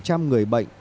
không biết về tình trạng